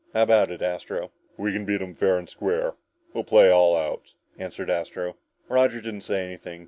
"How about it, Astro?" "We can beat 'em fair and square. We play all out!" answered Astro. Roger didn't say anything.